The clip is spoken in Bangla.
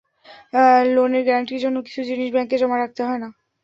লোনের গ্যারান্টি জন্য কিছু জিনিস ব্যাংকে জমা রাখতে হয় না?